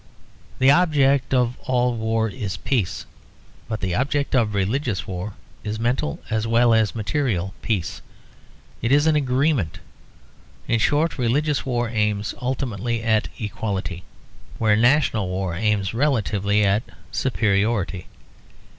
The object of all war is peace; but the object of religious war is mental as well as material peace; it is agreement. In short religious war aims ultimately at equality, where national war aims relatively at superiority.